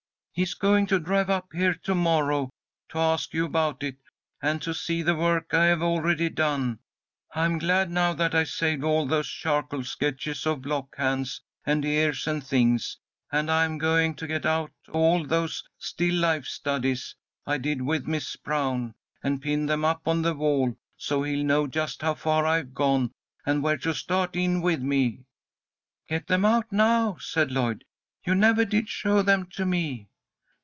"He is going to drive up here to morrow, to ask you about it, and to see the work I have already done. I'm glad now that I saved all those charcoal sketches of block hands and ears and things. And I'm going to get out all those still life studies I did with Miss Brown, and pin them up on the wall, so he'll know just how far I've gone, and where to start in with me." "Get them out now," said Lloyd. "You never did show them to me."